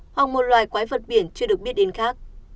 hoặc một loài quái vật biển chưa được biết đến khác